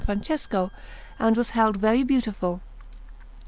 Francesco, and was held very beautiful.